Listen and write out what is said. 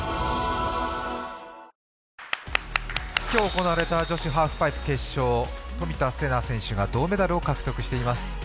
今日、行われた女子ハーフパイプ決勝冨田せな選手が銅メダルを獲得しています。